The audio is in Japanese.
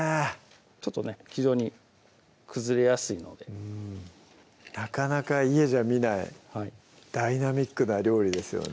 ちょっとね非常に崩れやすいのでなかなか家じゃ見ないダイナミックな料理ですよね